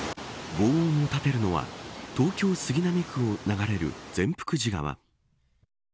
ごう音を立てるのは東京、杉並区を流れる善福寺川。